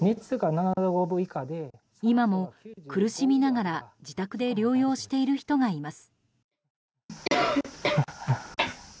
今も苦しみながら自宅で療養している人がいます。